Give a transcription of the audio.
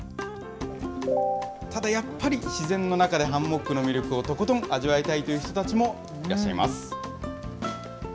ただ、やっぱり自然の中でハンモックの魅力をとことん味わいたいという人たちもいらっしゃいます。